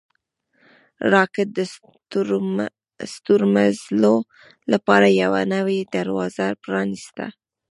راکټ د ستورمزلو لپاره یوه نوې دروازه پرانیسته